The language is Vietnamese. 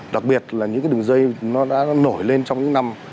đặc biệt là những cái đường dây nó đã nổi lên trong những năm